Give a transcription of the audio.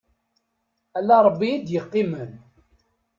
Ala Ṛebbi i d-yeqqimen.